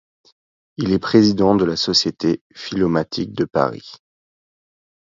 Il est président de la société philomathique de Paris.